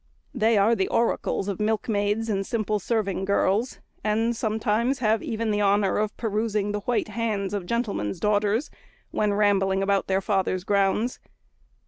They are the oracles of milkmaids and simple serving girls; and sometimes have even the honour of perusing the white hands of gentlemen's daughters, when rambling about their father's grounds.